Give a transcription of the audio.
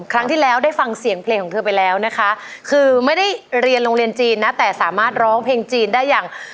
ครั้งที่แล้วได้ฟังเสียงเพลงของเธอไปแล้วนะคะคือไม่ได้เรียนโรงเรียนจีนนะแต่สามารถร้องเพลงจีนได้อย่าง